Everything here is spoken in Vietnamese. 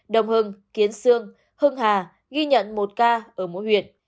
đồng hưng kiến sương hưng hà ghi nhận một ca ở mỗi huyện